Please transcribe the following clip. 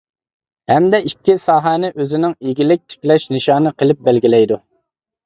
ھەمدە ئىككى ساھەنى ئۆزىنىڭ ئىگىلىك تىكلەش نىشانى قىلىپ بەلگىلەيدۇ.